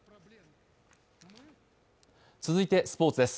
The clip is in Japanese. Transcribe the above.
続いてスポーツです。